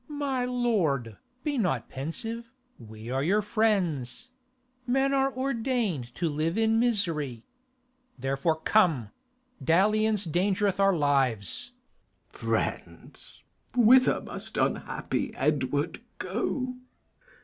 _ My lord, be not pensive; we are your friends: Men are ordain'd to live in misery; Therefore, come; dalliance dangereth our lives. K. Edw. Friends, whither must unhappy Edward go?